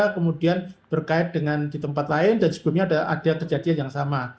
kemudian berkait dengan di tempat lain dan sebelumnya ada kejadian yang sama